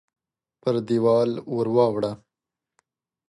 پر دېوال ورواړوه !